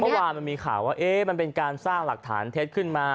มันมีข่าวว่ามันเป็นการสร้างหลักฐานเท็จขึ้นมา